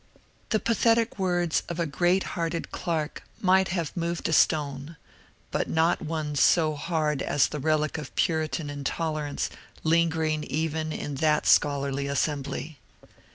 The pathetic words of great hearted Clarke might have moved a stone, but not one so hard as the relic of Puritan intolerance lingering even in that scholarly assembly.